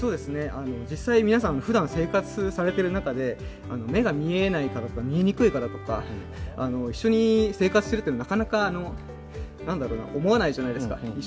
実際、皆さんふだん生活されてる中で目が見えない方とか見えにくい方と一緒に生活するというのはなかなか思わないじゃないですか。